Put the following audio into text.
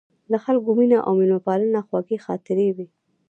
د خلکو مینه او میلمه پالنه خوږې خاطرې وې.